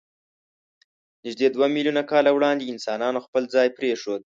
نږدې دوه میلیونه کاله وړاندې انسانانو خپل ځای پرېښود.